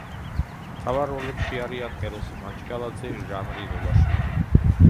მთავარ როლებში არიან: ეროსი მანჯგალაძე, ჟანრი ლოლაშვილი.